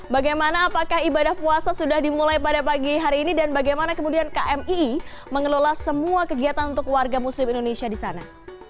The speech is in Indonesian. bagaimana apakah ibadah puasa sudah dimulai pada pagi hari ini dan bagaimana kemudian kmii mengelola semua kegiatan untuk warga muslim indonesia di sana